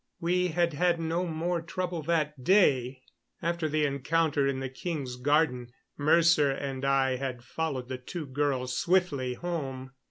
We had had no more trouble that day. After the encounter in the king's garden Mercer and I had followed the two girls swiftly home.